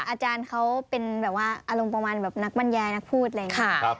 อาจารย์เขาเป็นแบบว่าอารมณ์ประมาณแบบนักบรรยายนักพูดอะไรอย่างนี้